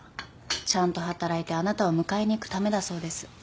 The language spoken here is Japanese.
ちゃんと働いてあなたを迎えに行くためだそうです。